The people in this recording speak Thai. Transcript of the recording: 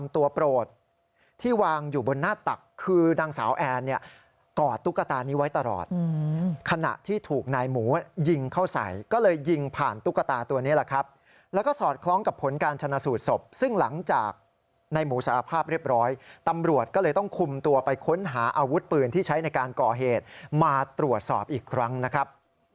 ตัวโปรดที่วางอยู่บนหน้าตักคือนางสาวแอนเนี่ยกอดตุ๊กตานี้ไว้ตลอดขณะที่ถูกนายหมูยิงเข้าใส่ก็เลยยิงผ่านตุ๊กตาตัวนี้แหละครับแล้วก็สอดคล้องกับผลการชนะสูตรศพซึ่งหลังจากในหมูสารภาพเรียบร้อยตำรวจก็เลยต้องคุมตัวไปค้นหาอาวุธปืนที่ใช้ในการก่อเหตุมาตรวจสอบอีกครั้งนะครับ